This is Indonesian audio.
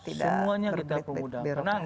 semuanya kita permudah karena